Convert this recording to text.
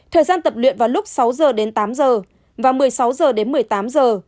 thời gian tập luyện vào lúc sáu giờ đến tám giờ và một mươi sáu giờ đến một mươi tám giờ